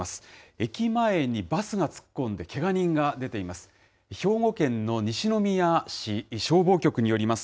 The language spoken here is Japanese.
駅前にバスが突っ込んで、けが人が出ています。